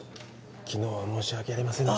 昨日は申し訳ありませんでした